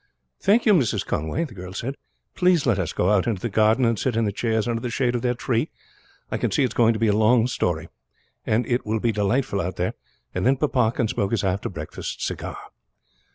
"Thank you, Mrs. Conway," the girl said. "Please let us go out into the garden and sit in the chairs under the shade of that tree. I can see it is going to be a long story, and it will be delightful out there; and then papa can smoke his after breakfast cigar."